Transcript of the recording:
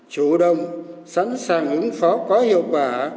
chủ động sẵn sàng ứng phó có hiệu quả